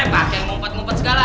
pakai mumpet mumpet segala